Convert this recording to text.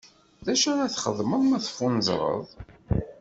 D acu ara txedmeḍ ma teffunezreḍ?